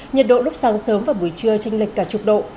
nhiệt độ lúc sáng sớm và buổi trưa tranh lịch cả chục độ